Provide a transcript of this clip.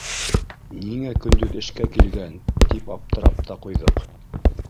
Ниңә көндөҙ эшкә килгән, тип аптырап та ҡуйҙыҡ.